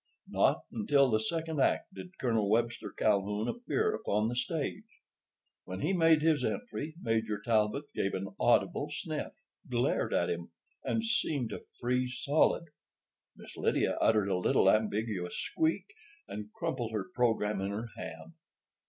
Not until the second act did Col. Webster Calhoun appear upon the stage. When he made his entry Major Talbot gave an audible sniff, glared at him, and seemed to freeze solid. Miss Lydia uttered a little, ambiguous squeak and crumpled her program in her hand.